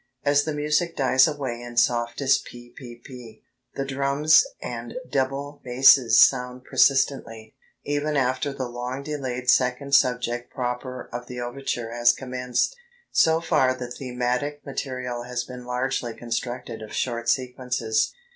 As the music dies away in softest ppp, the drums and double basses sound persistently ... even after the long delayed second subject proper of the overture has commenced. So far the thematic material has been largely constructed of short sequences.